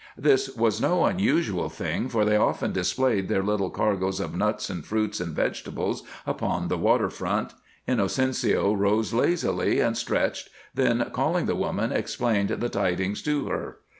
This was no unusual thing, for they often displayed their little cargoes of nuts and fruits and vegetables upon the water front. Inocencio rose lazily and stretched, then, calling the woman, explained the tidings to her.